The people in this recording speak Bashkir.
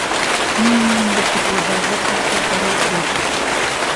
Һинме инде Ҡотлобайға ҡаршы торор ир?